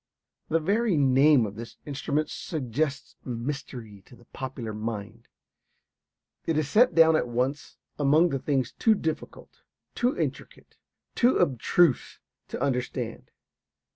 The very name of this instrument suggests mystery to the popular mind. It is set down at once among the things too difficult, too intricate, too abstruse to understand.